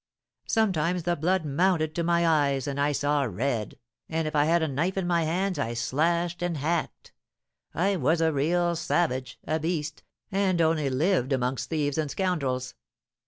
Sometimes the blood mounted to my eyes, and I saw red, and if I had a knife in my hands I slashed and hacked, I was a real savage a beast, and only lived amongst thieves and scoundrels.